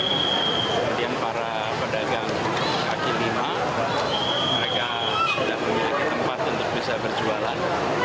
kemudian para pedagang kaki lima mereka sudah memiliki tempat untuk bisa berjualan